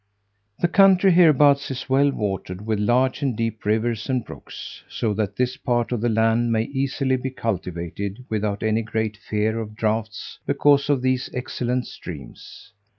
The country hereabouts is well watered with large and deep rivers and brooks, so that this part of the land may easily be cultivated without any great fear of droughts, because of these excellent streams.